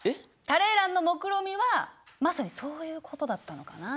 タレーランのもくろみはまさにそういうことだったのかな？